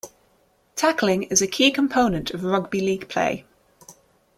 Tackling is a key component of rugby league play.